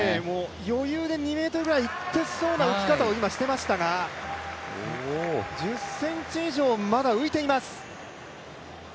余裕で２ｍぐらいいってそうないき方をしていましたが、１０ｃｍ以上、まだ浮いています。